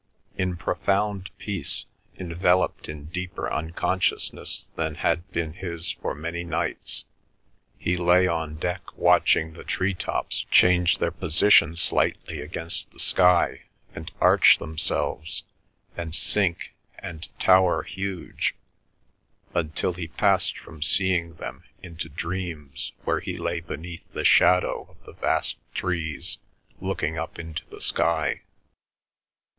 In profound peace, enveloped in deeper unconsciousness than had been his for many nights, he lay on deck watching the tree tops change their position slightly against the sky, and arch themselves, and sink and tower huge, until he passed from seeing them into dreams where he lay beneath the shadow of the vast trees, looking up into the sky.